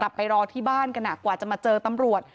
ไปรอที่บ้านกันกว่าจะมาเจอตำรวจ